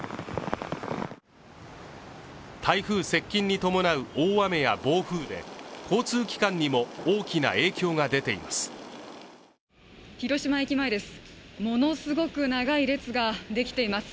台風接近に伴う大雨や暴風で交通機関にも大きな影響が出ています。